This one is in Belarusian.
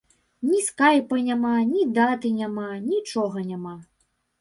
Ні скайпа няма, ні даты няма, нічога няма.